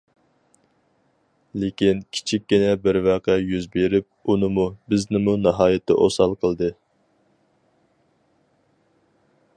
لېكىن كىچىككىنە بىر ۋەقە يۈز بېرىپ، ئۇنىمۇ، بىزنىمۇ ناھايىتى ئوسال قىلدى.